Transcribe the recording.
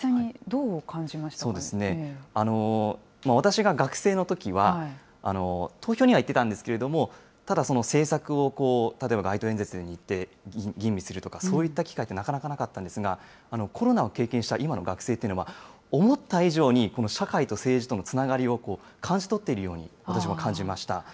そうですね、私が学生のときは、投票には行ってたんですけど、ただ、その政策を、例えば街頭演説に行って、吟味するとか、そういった機会ってなかなかなかったんですが、コロナを経験した今の学生というのは、思った以上に、この社会と政治とのつながりを感じ取っているように、私は感じました。